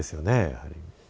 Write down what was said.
やはり。